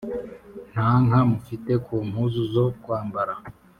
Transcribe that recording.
‘nta nka mufite ku mpuzu zo kwambara?’